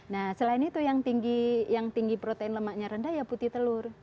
nah selain itu yang tinggi protein lemaknya rendah ya putih telur